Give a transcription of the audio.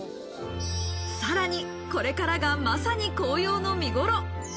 さらに、これからがまさに紅葉の見ごろ。